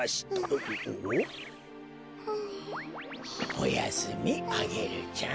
おやすみアゲルちゃん。